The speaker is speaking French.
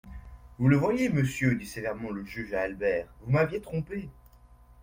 Vous le voyez, monsieur, dit sévèrement le juge à Albert, vous m'aviez trompé.